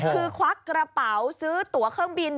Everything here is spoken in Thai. คือควักกระเป๋าซื้อตัวเครื่องบิน